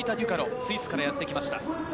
スイスからやってきました。